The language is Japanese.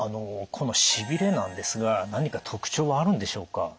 このしびれなんですが何か特徴はあるんでしょうか？